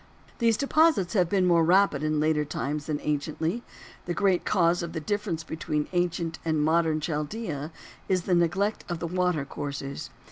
These deposits have been more rapid in later times than anciently. The great cause of the difference between ancient and modern Chaldea is the neglect of the water courses.